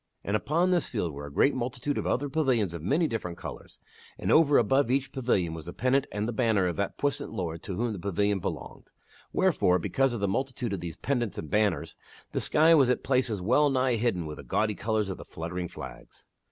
And upon this field were a great multitude of other pavilions of many different colors, and over above each pavilion was the pennant and the banner of that puissant lord to whom the pavilion belonged. Wherefore,, because of the multitude of these pennants and banners the sky was at places well nigh hidden with the gaudy colors of the fluttering flags.